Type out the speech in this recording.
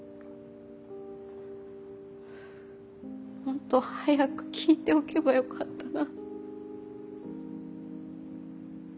もっと早く聞いておけばよかったな。